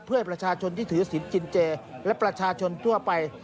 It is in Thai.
เพื่อให้ประชาชนที่ถือศิลปินเจและประชาชนทั่วไป